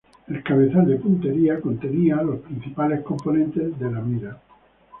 El cabezal de puntería contenía los principales componentes de la mira.